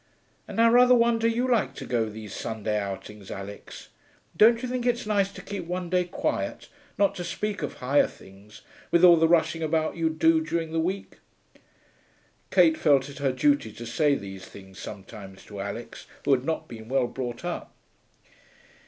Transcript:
And I rather wonder you like to go these Sunday outings, Alix. Don't you think it's nice to keep one day quiet, not to speak of higher things, with all the rushing about you do during the week?' Kate felt it her duty to say these things sometimes to Alix, who had not been well brought up.